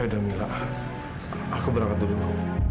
yaudah mila aku berangkat dulu